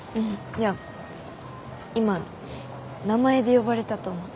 いや今名前で呼ばれたと思って。